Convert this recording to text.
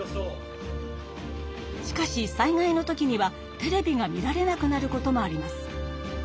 しかし災害の時にはテレビが見られなくなることもあります。